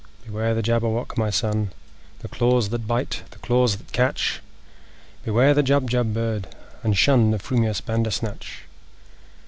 "Beware the Jabberwock, my son! The jaws that bite, the claws that catch! Beware the Jubjub bird, and shun The frumious Bandersnatch!"